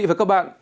thưa các bạn